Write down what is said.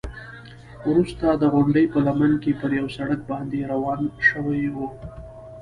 وروسته د غونډۍ په لمن کې پر یوه سړک باندې روان شوو.